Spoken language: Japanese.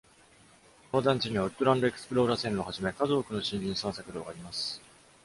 この団地には、「ウッドランドエクスプローラー」線路をはじめ、数多くの森林散策道があります。